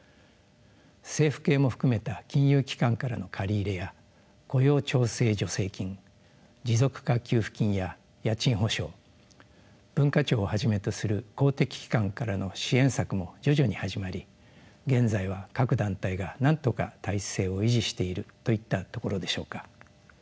政府系も含めた金融機関からの借り入れや雇用調整助成金持続化給付金や家賃保証文化庁をはじめとする公的機関からの支援策も徐々に始まり現在は各団体がなんとか体制を維持しているといったところでしょうか。